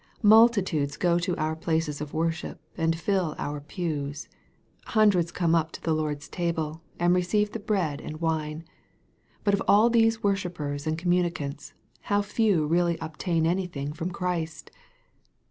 Multitudes go to our places of worship, and fill our pews. Hundreds come up to the Lord's table, and receive the bread and wine. But of all these worshippers and communicants, how few really obtain anything from Christ